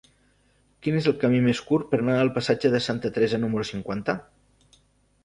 Quin és el camí més curt per anar al passatge de Santa Teresa número cinquanta?